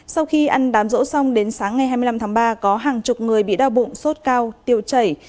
sau khi ăn đám rỗ xong đến sáng ngày hai mươi năm tháng ba có hàng chục người bị đau bụng sốt cao tiêu chảy